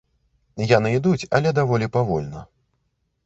Яны ідуць, але даволі павольна.